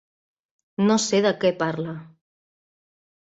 No sé de què parla.